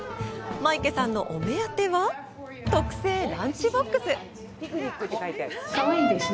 マイケさんのお目当ては特製ランチボックス。